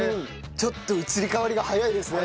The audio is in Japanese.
ちょっと移り変わりが早いですね。